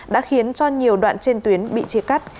đã khiến cho nhiều đoạn trên tuyến bị chia cắt